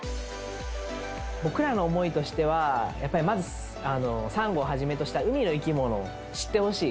僕らの思いとしては、やっぱりまずサンゴをはじめとした海の生き物を知ってほしい。